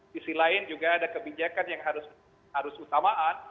di sisi lain juga ada kebijakan yang harus utamakan